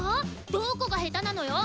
どこが下手なのよ